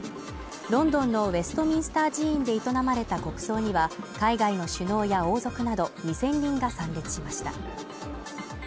ロンドンのウェストミンスター寺院で営まれた国葬には海外の首脳や王族など２０００人が参列しました。